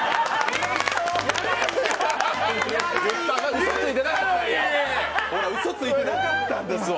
うそついてなかったんですわ。